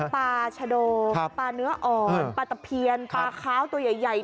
ปลาชะโดปลาเนื้ออ่อนปลาตะเพียนปลาขาวตัวใหญ่